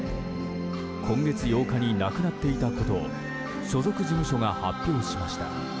今月８日に亡くなっていたことを所属事務所が発表しました。